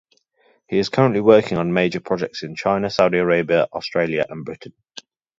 He is currently working on major projects in China, Saudi Arabia, Australia and Britain.